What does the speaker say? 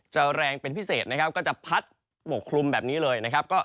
แรงเป็นพิเศษนะครับก็จะพัดปกคลุมแบบนี้เลยนะครับ